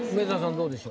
どうでしょう？